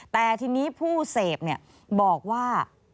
แต่ทีนี้ผู้เสพบอกว่า